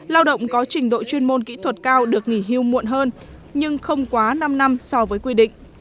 lao động có trình độ chuyên môn kỹ thuật cao được nghỉ hưu muộn hơn nhưng không quá năm năm so với quy định